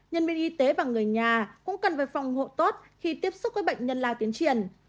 nhân viên y tế và người nhà cũng cần phải phòng hộ tốt khi tiếp xúc với bệnh nhân lao tiến triển